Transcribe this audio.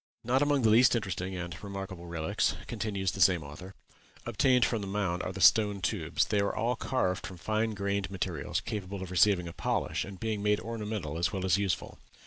"Not among the least interesting and remarkable relics," continues the same author, "obtained from the mounds are the stone tubes. They are all carved from fine grained materials, capable of receiving a polish, and being made ornamental as well as useful.